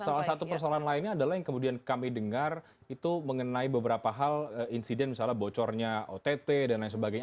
salah satu persoalan lainnya adalah yang kemudian kami dengar itu mengenai beberapa hal insiden misalnya bocornya ott dan lain sebagainya